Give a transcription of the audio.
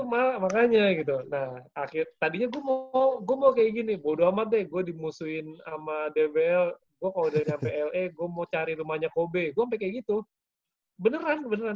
itu malah makanya gitu nah akhirnya tadinya gue mau kayak gini bodo amat deh gue dimusuhin sama dbl gue kalo udah nyampe la gue mau cari rumahnya kobe gue sampe kayak gitu beneran beneran